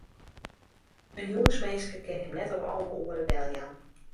In jûnsminske kin him net om alve oere deljaan.